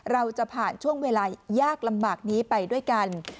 เราจะผ่านช่วงเวลายากลำบากนี้ไปด้วยกัน